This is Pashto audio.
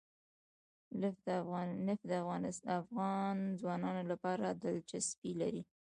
نفت د افغان ځوانانو لپاره دلچسپي لري.